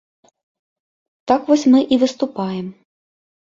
Так вось мы і выступаем.